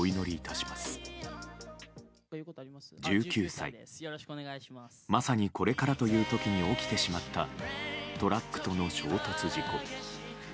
１９歳まさにこれからという時に起きてしまったトラックとの衝突事故。